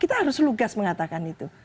kita harus lugas mengatakan itu